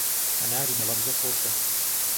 هەناری هەڵەبجە خۆشە.